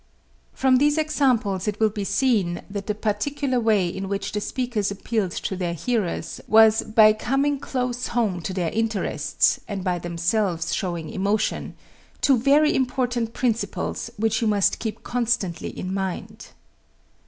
From these examples it will be seen that the particular way in which the speakers appealed to their hearers was by coming close home to their interests, and by themselves showing emotion two very important principles which you must keep constantly in mind.